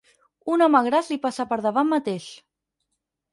Un home gras li passa per davant mateix.